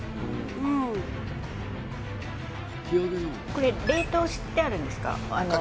これ冷凍してあるんですか？